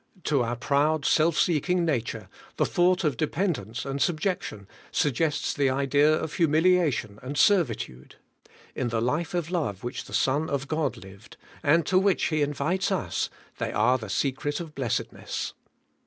To our proud self seeking na^*^, ture the thought of dependence and subjection sug gests the idea of humiliation and servitude; in the life of love which the Son of God lived, and to which He invites us, they are the secret of blessedness.